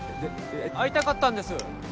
会いたかったんです。